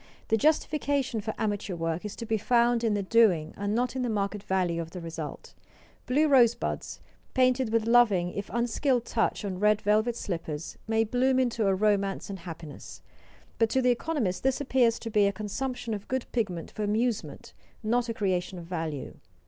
The justification for amateur work is to be found in the doing and not in the market value of the result. Blue rosebuds, painted with loving if unskilled touch on red velvet slippers, may bloom into a romance and happiness; but to the economist this appears to be a consumption of good pigment for amusement, not a creation of value.